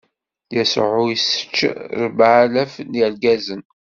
Yasuɛ issečč ṛebɛalaf n yirgazen.